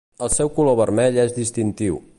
El seu color vermell és distintiu.